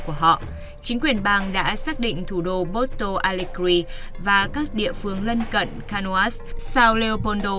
chính quyền bang đã xác định thủ đô porto aligri và các địa phương lân cận canoas sao leopoldo